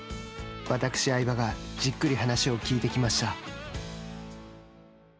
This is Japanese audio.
わたくし相葉がじっくり話を聞いてきました。